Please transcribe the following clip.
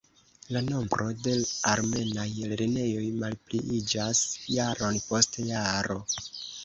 La nombro de armenaj lernejoj malpliiĝas jaron post jaro.